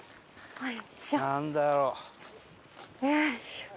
はい。